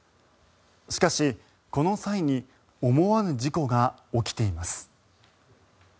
しかし、この際に思わぬ事故が起きています。